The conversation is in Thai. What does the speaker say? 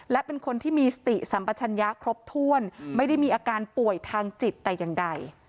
และเป็นคนที่มีสติสัมปชัญญะครบถ้วนไม่ได้มีอาการป่วยทางจิตแต่อย่างใด